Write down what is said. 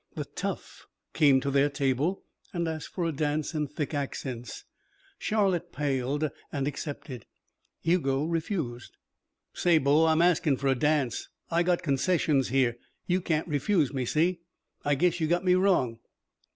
The "tough" came to their table and asked for a dance in thick accents. Charlotte paled and accepted. Hugo refused. "Say, bo, I'm askin' for a dance. I got concessions here. You can't refuse me, see? I guess you got me wrong."